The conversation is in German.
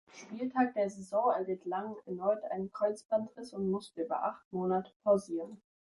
Spieltag der Saison erlitt Langen erneut einen Kreuzbandriss und musste über acht Monate pausieren.